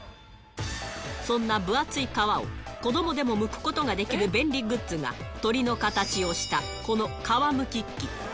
そんな分厚い皮を、子どもでも剥くことができる便利グッズが、鳥の形をした、この皮むき器。